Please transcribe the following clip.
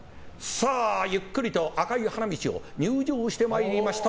さあ、ゆっくりと赤い花道を入場してまいりました